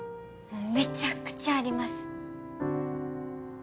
めちゃくちゃあります